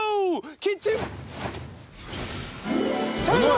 キッチン。